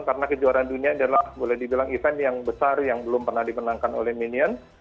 karena kejuaraan dunia adalah boleh dibilang event yang besar yang belum pernah dimenangkan oleh minion